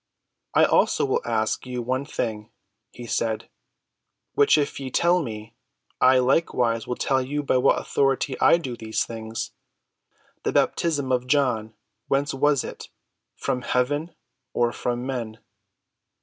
"I also will ask you one thing," he said, "which if ye tell me, I likewise will tell you by what authority I do these things. The baptism of John, whence was it? from heaven or from men?"